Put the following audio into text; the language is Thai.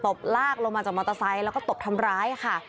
ลากลงมาจากมอเตอร์ไซค์แล้วก็ตบทำร้ายค่ะ